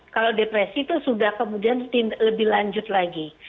kalau depresi itu sudah kemudian lebih lanjut lagi